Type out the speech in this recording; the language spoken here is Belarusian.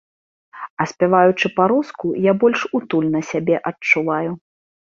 А спяваючы па-руску, я больш утульна сябе адчуваю.